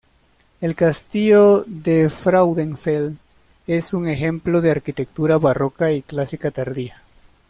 El castillo de Frauenfeld es un ejemplo de arquitectura barroca y clásica tardía.